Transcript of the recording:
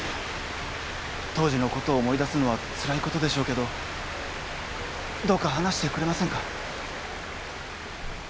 当時のことを思い出すのはつらいことでしょうけどどうか話してくれませんか？